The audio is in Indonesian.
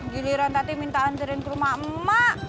giliran tadi minta anterin ke rumah emak